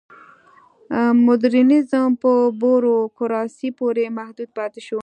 مډرنیزم په بوروکراسۍ پورې محدود پاتې شو.